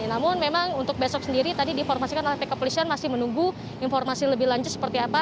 namun memang untuk besok sendiri tadi diinformasikan oleh pihak kepolisian masih menunggu informasi lebih lanjut seperti apa